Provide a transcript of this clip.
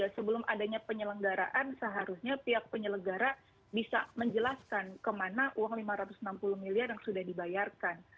sebelum adanya penyelenggaraan seharusnya pihak penyelenggara bisa menjelaskan kemana uang lima ratus enam puluh miliar yang sudah dibayarkan